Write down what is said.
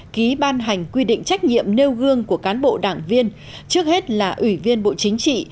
ký ban hành quy định trách nhiệm nêu gương của cán bộ đảng viên trước hết là ủy viên bộ chính trị